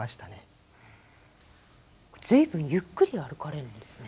随分ゆっくり歩かれるんですね。